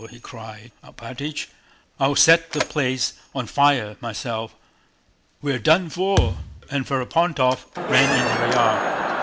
he cried. "Alpátych, I'll set the place on fire myself. We're done for!..." and Ferapóntov ran into the yard.